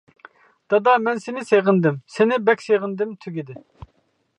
دادا مەن سېنى سېغىندىم، سېنى بەك سېغىندىم. تۈگىدى.